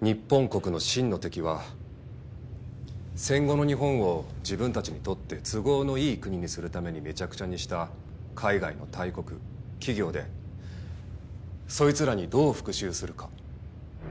日本国の真の敵は戦後の日本を自分たちにとって都合のいい国にするためにめちゃくちゃにした海外の大国企業でそいつらにどう復讐するか。